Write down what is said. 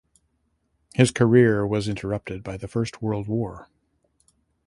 His career was interrupted by the First World War.